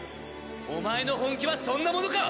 お前の本気はそんなものか！